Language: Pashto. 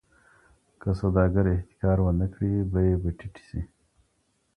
که سوداګر احتکار ونه کړي، بیې به ټیټې سي.